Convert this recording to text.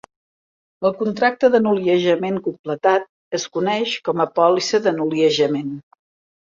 El contracte de noliejament completat es coneix com a pòlissa de noliejament.